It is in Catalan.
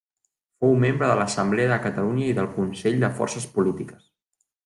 Fou membre de l'Assemblea de Catalunya i del Consell de Forces Polítiques.